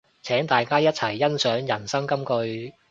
請大家一齊欣賞人生金句